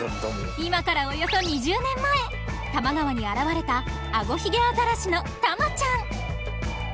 今からおよそ２０年前多摩川に現れたアゴヒゲアザラシのタマちゃん